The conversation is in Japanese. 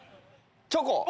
チョコ！